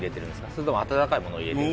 それとも温かいものを入れてる？